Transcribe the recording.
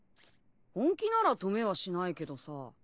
本気なら留めはしないけどさ。